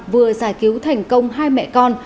vừa giải cứu thành công hai mẹ con